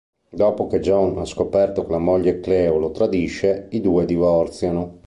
Dopo che John ha scoperto che la moglie Cleo lo tradisce, i due divorziano.